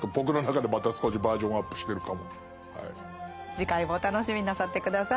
次回も楽しみになさって下さい。